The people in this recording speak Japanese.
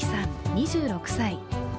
２６歳。